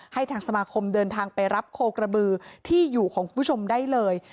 ให้ทางสมาคมเดินทางไปรับโคกระบือที่อยู่ของคุณผู้ชมได้เลย